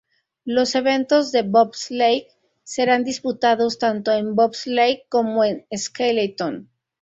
Los eventos de bobsleigh serán disputados tanto en bobsleigh como en skeleton.